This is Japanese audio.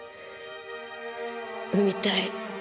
産みたい。